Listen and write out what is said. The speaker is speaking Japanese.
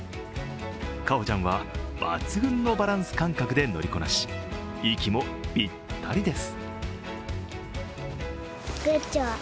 香歩ちゃんは抜群のバランス感覚で乗りこなし、息もぴったりです。